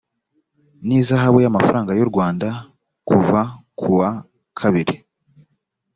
n ihazabu y amafaranga y u rwanda kuva ku wa kabiri